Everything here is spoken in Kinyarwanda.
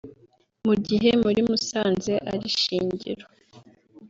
mu gihe muri Musanze ari Shingiro